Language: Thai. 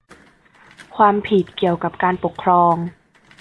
ความผิดเกี่ยวกับการปกครอง